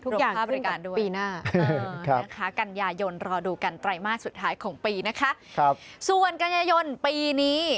รบภาพรายการด้วยแค่กัญญายนรอดูกัน๓มาสสุดท้ายของปีนะครับส่วนกัญญายนปีนี้